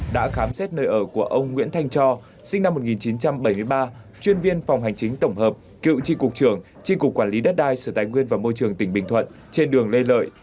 đã khám xét nơi ở của ông nguyễn thanh cho sinh năm một nghìn chín trăm bảy mươi ba chuyên viên phòng hành chính tổng hợp cựu tri cục trưởng tri cục quản lý đất đai sở tài nguyên và môi trường tỉnh bình thuận trên đường lê lợi